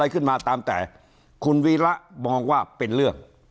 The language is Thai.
ขึ้นมาตามแต่คุณวีระมองว่าเป็นเรื่อง